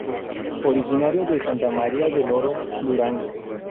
Originario de Santa María del Oro, Durango.